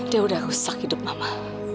dia udah rusak hidup mama